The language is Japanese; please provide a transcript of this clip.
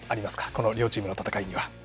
この両チームの戦いには。